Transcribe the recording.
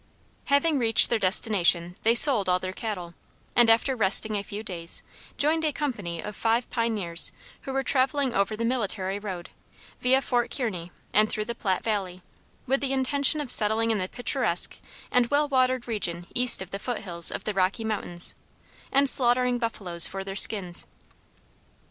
Having reached their destination they sold all their cattle, and after resting a few days joined a company of five pioneers who were traveling over the military road, via Fort Kearney and through the Platte valley, with the intention of settling in the picturesque and well watered region east of the foot hills of the Rocky Mountains, and slaughtering buffaloes for their skins.